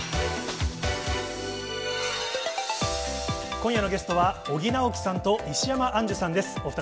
今夜のゲストは、尾木直樹さんと石山アンジュさんです。